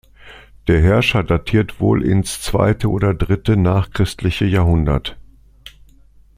Der Herrscher datiert wohl ins zweite oder dritte nachchristliche Jahrhundert.